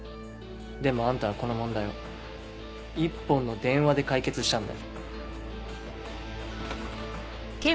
でもあんたはこの問題を１本の電話で解決したんだよ。